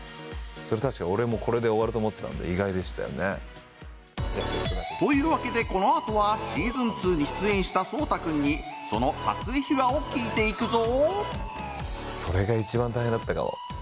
俺もこれで終わると思ってたんで意外でしたよね。というわけでこの後はシーズン２に出演した蒼汰君にその撮影秘話を聞いていくぞ。